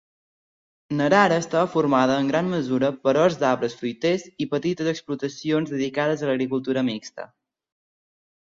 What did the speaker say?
Narara estava formada en gran mesura per horts d'arbres fruiters i petites explotacions dedicades a l'agricultura mixta.